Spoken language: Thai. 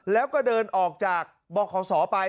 แล้วก็เดินออกจากบอกของสอไป